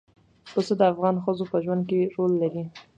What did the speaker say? پسه د افغان ښځو په ژوند کې رول لري.